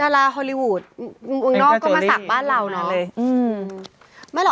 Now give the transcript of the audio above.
ดาราฮอลลีวูสอุ๋งนอกก็มาสากบ้านเราน่ะ